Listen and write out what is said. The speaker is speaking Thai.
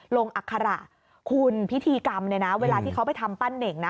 อัคระคุณพิธีกรรมเนี่ยนะเวลาที่เขาไปทำปั้นเน่งนะ